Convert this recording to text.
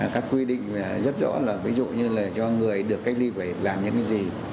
các quy định rất rõ là ví dụ như là cho người được cách ly phải làm những gì